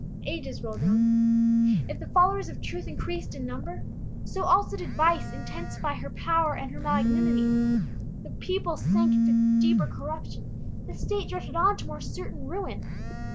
Ages rolled on. If the followers of truth increased in number, so also did vice intensify her power and her malignity; the people sank into deeper corruption, the state drifted on to more certain ruin.